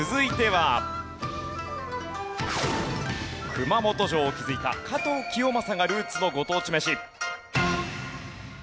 熊本城を築いた加藤清正がルーツのご当地めし。